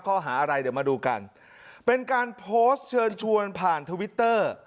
ข้อหาอะไรเดี๋ยวมาดูกันเป็นการโพสต์เชิญชวนผ่านทวิตเตอร์